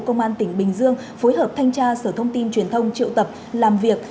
công an tỉnh bình dương phối hợp thanh tra sở thông tin truyền thông triệu tập làm việc